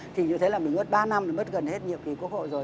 thì như thế là mình mất ba năm là mất gần hết nhiều kỳ quốc hội rồi